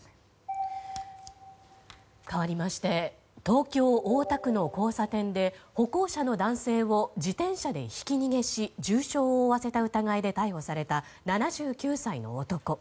かわりまして東京・大田区の交差点で歩行者の男性を自転車でひき逃げし重傷を負わせた疑いで逮捕された７９歳の男。